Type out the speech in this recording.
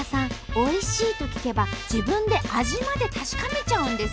「おいしい」と聞けば自分で味まで確かめちゃうんです。